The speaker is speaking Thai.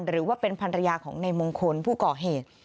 หรือว่าเป็นภรรยาของในมงคลผู้ก่อเหตุ